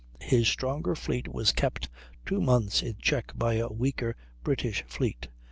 His stronger fleet was kept two months in check by a weaker British fleet.